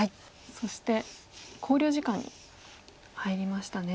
そして考慮時間に入りましたね。